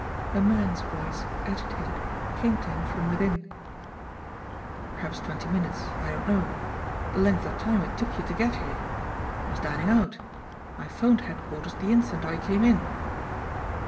A man's voice, agitated, came to him from within: "... Perhaps twenty minutes, I don't know the length of time it took you to get here. I was dining out. I 'phoned Headquarters the instant I came in."